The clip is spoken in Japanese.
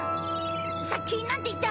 さっきなんて言った？